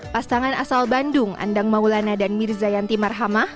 pasangan asal bandung andang maulana dan mirza yanti marhamah